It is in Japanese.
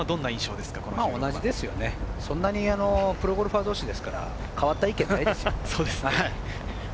そんなにプロゴルファー同士ですから、変わった意見ないですね。